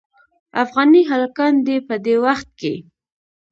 افغاني هلکان دې په دې وخت کې.